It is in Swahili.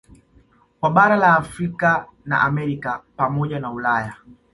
Kwa bara la Afrika na Amerika pamoja na Ulaya